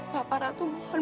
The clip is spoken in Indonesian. papa ratu mohon